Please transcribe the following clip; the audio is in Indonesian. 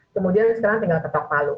kemudian sekarang tinggal ketepaluh